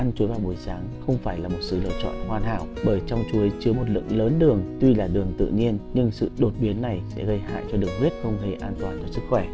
bữa sáng không phải là một sự lựa chọn hoàn hảo bởi trong chuối chứa một lượng lớn đường tuy là đường tự nhiên nhưng sự đột biến này sẽ gây hại cho đường huyết không hề an toàn cho sức khỏe